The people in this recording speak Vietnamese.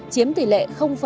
chiếm tỷ lệ bảy